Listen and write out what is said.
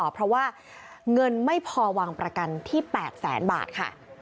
เพราะว่าเงินไม่พอวางประกันที่๘แสนบาทค่ะ